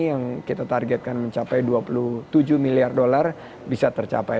yang kita targetkan mencapai dua puluh tujuh miliar dolar bisa tercapai